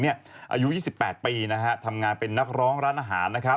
อายุ๒๘ปีทำงานเป็นนักร้องร้านอาหารนะครับ